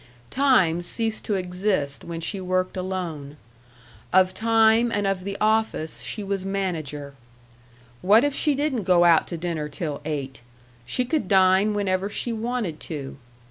Time ceased to exist when she worked alone. Of time and of the office she was manager. What if she didn't go out to dinner till eight? She could dine whenever she wanted to.